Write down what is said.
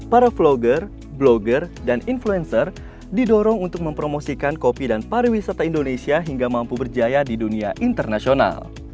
para vlogger blogger dan influencer didorong untuk mempromosikan kopi dan pariwisata indonesia hingga mampu berjaya di dunia internasional